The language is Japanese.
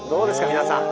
皆さん。